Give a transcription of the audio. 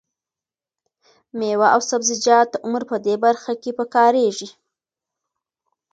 مېوه او سبزیجات د عمر په دې برخه کې پکارېږي.